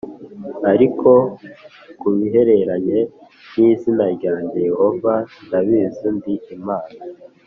ariko ku bihereranye n izina ryanjye Yehova ndabizi ndi imana